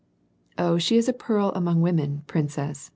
*" Oh, she is a pearl among women, princess